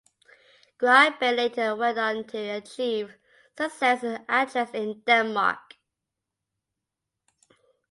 Gry Bay later went on to achieve success as an actress in Denmark.